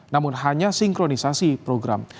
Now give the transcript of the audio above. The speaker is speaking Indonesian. namun hanya sinkronisasi program